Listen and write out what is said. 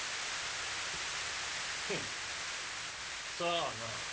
フッさぁな。